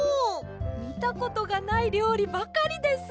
みたことがないりょうりばかりです。